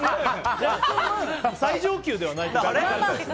最上級ではないってこと。